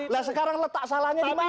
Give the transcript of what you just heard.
nah sekarang letak salahnya di mana